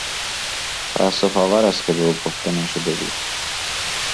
تاسف آور است که به او گفته نشده بود.